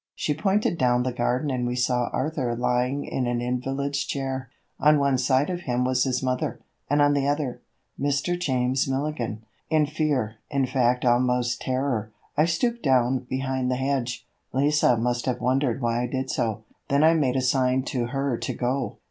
She pointed down the garden and we saw Arthur lying in an invalid's chair. On one side of him was his mother, and on the other ... Mr. James Milligan. In fear, in fact almost terror, I stooped down behind the hedge. Lise must have wondered why I did so. Then I made a sign to her to go.